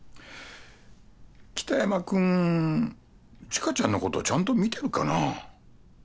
北山君知花ちゃんのことちゃんと見てるかな？